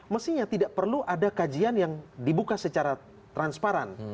mestinya tidak perlu ada kajian yang dibuka secara transparan